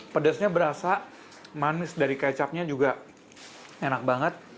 pedasnya berasa manis dari kecapnya juga enak banget